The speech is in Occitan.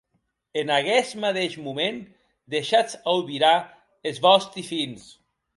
En aguest madeish moment deishatz aubirar es vòsti fins.